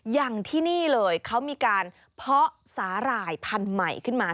อย่างที่นี่เลยเขามีการเพาะสาหร่ายพันธุ์ใหม่ขึ้นมา